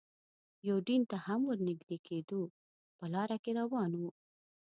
یوډین ته هم ور نږدې کېدو، په لاره کې روان و.